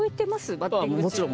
もちろん。